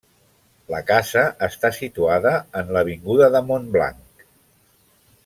La casa està situada en l'avinguda de Montblanc.